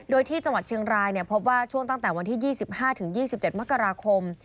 โดยที่จังหวัดเชียงรายพบว่าช่วงตั้งแต่วันที่๒๕๒๗มกราคม